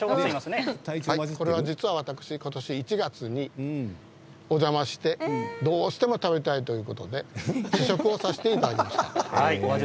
私も、ことし１月にお邪魔してどうしても食べたいということで試食をさせていただきました。